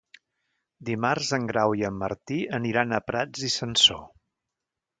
Dimarts en Grau i en Martí aniran a Prats i Sansor.